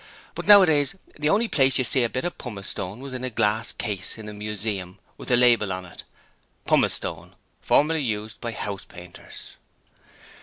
But nowadays the only place you'd see a bit of pumice stone was in a glass case in a museum, with a label on it. 'Pumice Stone: formerly used by house painters.'